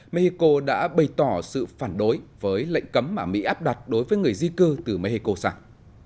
mexico đã bày tỏ sự phản đối với lệnh cấm mà mỹ áp đặt đối với người di cư từ mexico sang